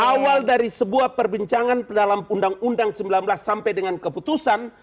awal dari sebuah perbincangan dalam undang undang sembilan belas sampai dengan keputusan